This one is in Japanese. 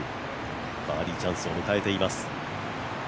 バーディーチャンスを迎えています。